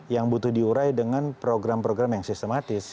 yang butuh diurai dengan program program yang sistematis